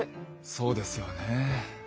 そうですよね。